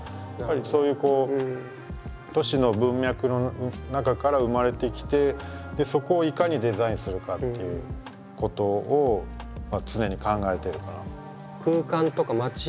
やっぱりそういうこう「都市の文脈」の中から生まれてきてそこをいかにデザインするかっていうことを常に考えてるから。